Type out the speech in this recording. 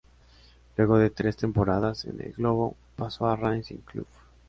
Luego de tres temporadas en el "Globo" pasó a Racing Club.